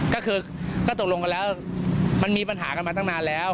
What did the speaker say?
ก็คือก็ตกลงกันแล้วมันมีปัญหากันมาตั้งนานแล้ว